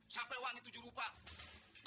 sampai wangi tujuh rupang